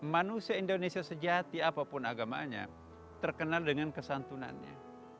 manusia indonesia sejati apapun agamanya terkenal dengan kesantunannya